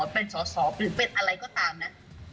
เป็นสอสอหรือเป็นอะไรก็ตามนะ